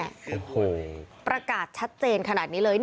โอ้โหประกาศชัดเจนขนาดนี้เลย